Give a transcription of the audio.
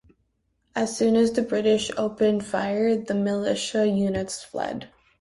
As soon as the British opened fire the militia units fled.